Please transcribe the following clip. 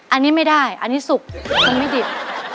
อันนี้ไม่ได้อันนี้สุกมันไม่ดิบ